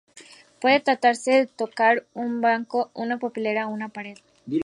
Puede tratarse de tocar un banco, una papelera o una pared.